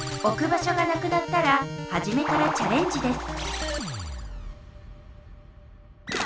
ばしょがなくなったらはじめからチャレンジです